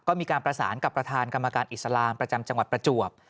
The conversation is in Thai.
ก็มีการประสานกับประธานกรรมการอิสลามประจำจังหวัดประจวบ